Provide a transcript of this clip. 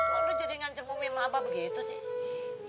kok lo jadi ngancem umi sama aba begitu sih